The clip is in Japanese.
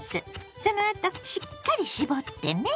そのあとしっかり絞ってね！